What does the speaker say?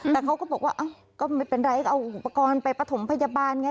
แต่เขาก็บอกว่าก็ไม่เป็นไรก็เอาอุปกรณ์ไปประถมพยาบาลไง